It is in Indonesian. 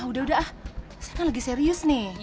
udah udah ah saya kan lagi serius nih